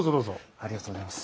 ありがとうございます。